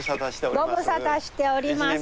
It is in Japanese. ご無沙汰しております。